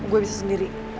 gue bisa sendiri